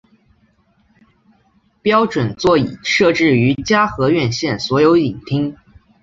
标准座椅设置于嘉禾院线所有影厅。